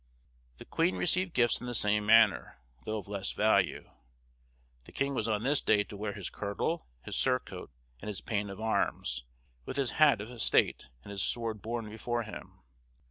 The queen received gifts in the same manner, though of less value. The king was on this day to wear his kirtle, his surcoat, and his pane of arms, with his hat of estate, and his sword borne before him.